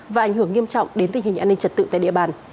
và ảnh hưởng nghiêm trọng đến tình hình an ninh trật tự tại địa bàn